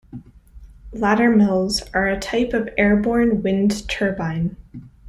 Laddermills are a type of airborne wind turbine.